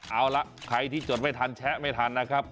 เอาล่ะใครที่จดไม่ทันแชะไม่ทันนะครับ